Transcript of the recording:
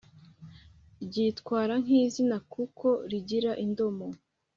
Ryitwara nk izina kuko rigira indomo